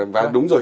và đúng rồi